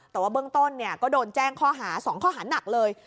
แต่ว่าเบื้องต้นก็โดนแจ้งข้อหา๒ข้อหาหนักเลย